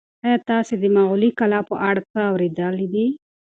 ایا تاسي د مغولي کلا په اړه څه اورېدلي دي؟